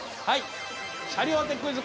車両あてクイズ